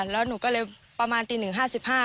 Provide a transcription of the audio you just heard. แล้วหนูก็เลยประมาณตีหนึ่งห้าสิบห้า